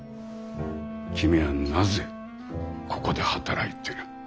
君はなぜここで働いてる。